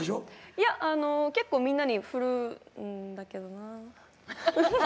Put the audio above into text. いや結構みんなに振るんだけどな。